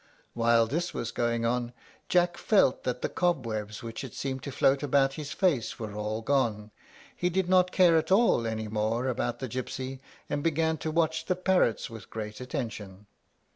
While this was going on, Jack felt that the cobwebs which had seemed to float about his face were all gone; he did not care at all any more about the gypsy, and began to watch the parrots with great attention.